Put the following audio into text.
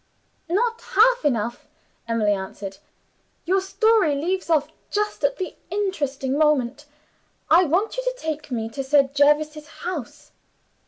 "Not half enough!" Emily answered. "Your story leaves off just at the interesting moment. I want you to take me to Sir Jervis's house."